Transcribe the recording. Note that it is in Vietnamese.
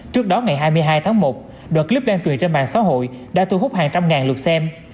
trước đó ngày hai mươi hai tháng một đoạn clip lan truyền trên mạng xã hội đã thu hút hàng trăm ngàn lượt xem